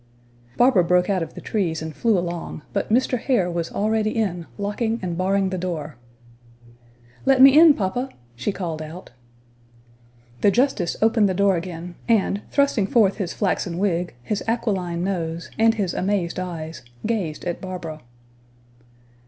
Barbara broke out of the trees and flew along, but Mr. Hare was already in, locking and barring the door. "Let me in, papa," she called out. The justice opened the door again, and thrusting forth his flaxen wig, his aquiline nose, and his amazed eyes, gazed at Barbara.